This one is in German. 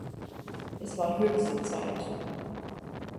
Es war höchste Zeit!